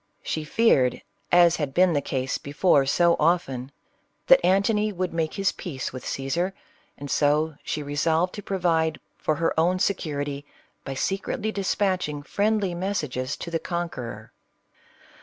<5he feared, as had been the case before so often, that «A.ntony would make his peace with Caesar; and so, 'she resolved to provide for her own security, by se cretly dispatching friendly messages to the conqueror.